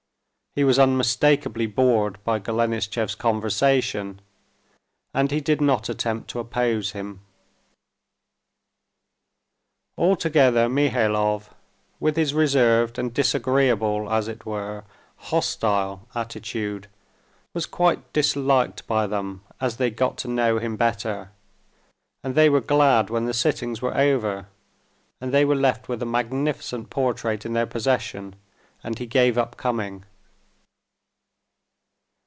He was unmistakably bored by Golenishtchev's conversation, and he did not attempt to oppose him. Altogether Mihailov, with his reserved and disagreeable, as it were, hostile attitude, was quite disliked by them as they got to know him better; and they were glad when the sittings were over, and they were left with a magnificent portrait in their possession, and he gave up coming.